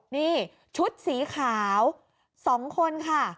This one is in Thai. นี่ชุดสีขาว๒คนค่ะ